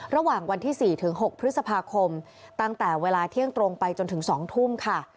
ระหว่างวันที่๔ถึง๖พฤษภาคมตั้งแต่เวลาเที่ยงตรงไปจนถึง๒ทุ่มค่ะ